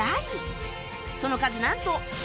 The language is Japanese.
その数なんと